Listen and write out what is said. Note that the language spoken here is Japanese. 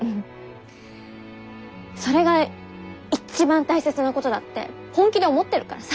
それが一番大切なことだって本気で思ってるからさ。